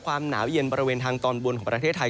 ความหนาวเย็นบริเวณทางตอนบนของประเทศไทย